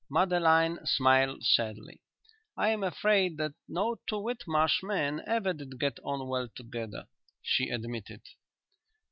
Madeline smiled sadly. "I am afraid that no two Whitmarsh men ever did get on well together," she admitted.